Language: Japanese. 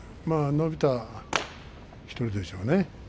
伸びた１人でしょうね。